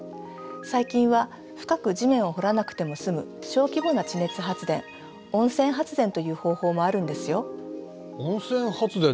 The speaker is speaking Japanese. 最近は深く地面を掘らなくても済む小規模な地熱発電温泉発電という方法もあるんですよ。